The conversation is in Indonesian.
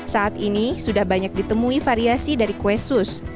saat ini sudah banyak ditemui variasi dari kue sus